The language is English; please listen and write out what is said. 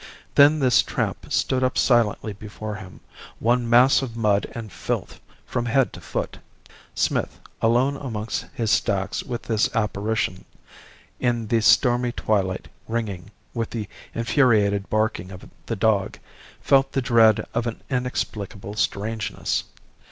Then this tramp stood up silently before him, one mass of mud and filth from head to foot. Smith, alone amongst his stacks with this apparition, in the stormy twilight ringing with the infuriated barking of the dog, felt the dread of an inexplicable strangeness.